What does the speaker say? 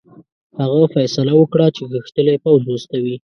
هغه فیصله وکړه چې غښتلی پوځ واستوي.